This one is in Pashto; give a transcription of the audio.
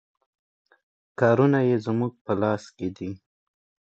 کارونه یې زموږ په لاس کې دي.